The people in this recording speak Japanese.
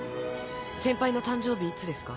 先輩の誕生日いつですか？